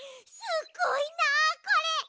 すっごいなあこれ！